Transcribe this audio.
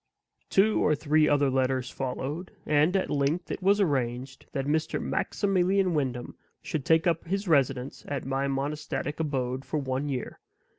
Two or three other letters followed; and at length it was arranged that Mr. Maximilian Wyndham should take up his residence at my monastic abode for one year.